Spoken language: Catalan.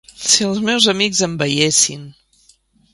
Si els meus amics em veiessin!